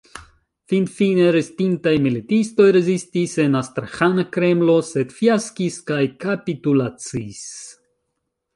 Finfine restintaj militistoj rezistis en Astraĥana Kremlo, sed fiaskis kaj kapitulacis.